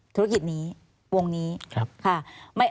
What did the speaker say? ธุรกิจนี้วงนี้